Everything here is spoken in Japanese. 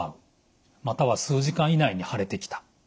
または数時間以内に腫れてきた。